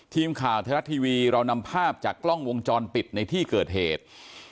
ทีมข่าวไทยรัฐทีวีเรานำภาพจากกล้องวงจรปิดในที่เกิดเหตุ